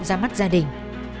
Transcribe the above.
ra mắt gia đình